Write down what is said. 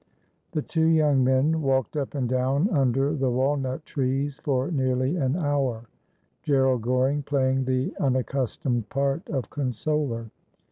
The two young men walked up and down under the walnut trees for nearly an hour, Gerald Goring playing the unaccus tomed part of consoler.